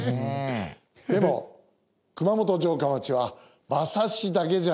でも熊本城下町は馬刺しだけじゃありません。